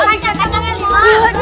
kamu kacau semua